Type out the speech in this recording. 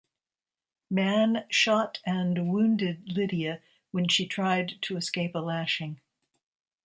Mann shot and wounded Lydia when she tried to escape a lashing.